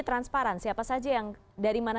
transparan siapa saja yang dari mana